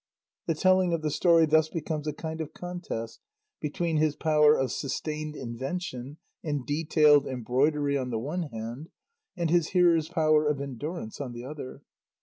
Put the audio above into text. The telling of the story thus becomes a kind of contest between his power of sustained invention and detailed embroidery on the one hand and his hearers' power of endurance on the other.